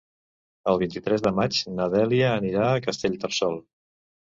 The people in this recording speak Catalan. El vint-i-tres de maig na Dèlia anirà a Castellterçol.